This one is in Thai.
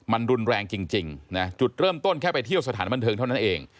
มันรุนแรงจริงนะจุดเริ่มต้นแค่ไปเที่ยวสถานบันเทิงเท่านั้นเอง